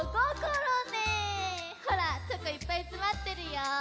ほらチョコいっぱいつまってるよ。